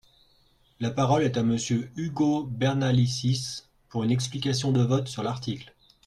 La parole est à Monsieur Ugo Bernalicis, pour une explication de vote sur l’article.